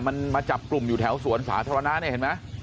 มันมาจับกลุ่มอยู่แถวสวนสาธารณะเนี่ยเห็นไหม